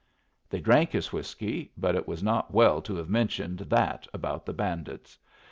They drank his whiskey, but it was not well to have mentioned that about the bandits.